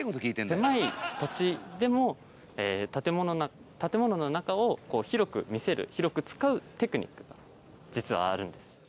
狭い土地でも建物の中を広く見せる広く使うテクニックが実はあるんです。